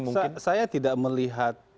mungkin saya tidak melihat